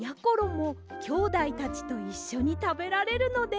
きょうだいたちといっしょにたべられるのでうれしいです！